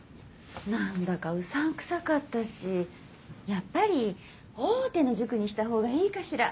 何だかうさんくさかったしやっぱり大手の塾にしたほうがいいかしら？